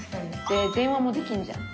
電話もできんじゃん